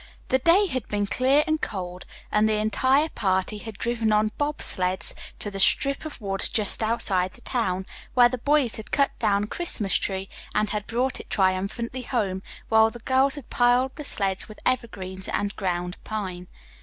The day had been clear and cold, and the entire party had driven on bob sleds to the strip of woods just outside the town, where the boys had cut down a Christmas tree, and had brought it triumphantly home, while the girls had piled the sleds with evergreens and ground pine.